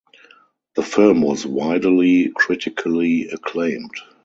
The film was widely critically acclaimed.